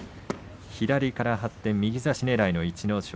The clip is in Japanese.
左から張って右差しねらいの逸ノ城。